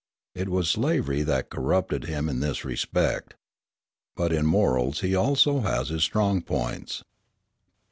It was slavery that corrupted him in this respect. But in morals he also has his strong points.